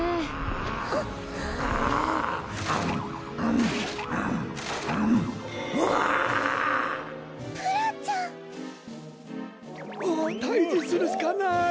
もうたいじするしかない！